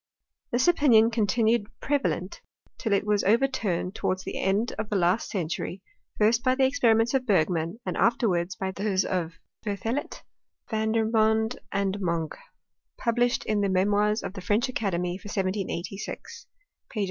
This opinion continued prevalent till it was overturned towards the end of the last century, first by the experiments of Bergmann, and afterwards by those of Berthollet, Vandermond, and Monge, published in the Memoirs of the French Academy for 1786 (page 132).